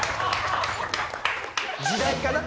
時代かな？